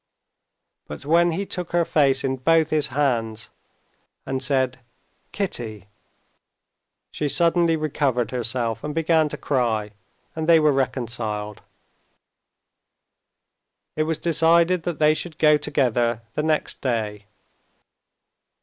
But when he took her face in both his hands and said "Kitty!" she suddenly recovered herself, and began to cry, and they were reconciled. It was decided that they should go together the next day.